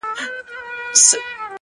د جهنم منځ کي د اوسپني زنځیر ویده دی؛